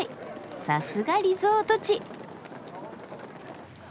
さすがリゾート地。